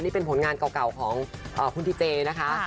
นี่เป็นผลงานเก่าของคุณดีเจนะคะ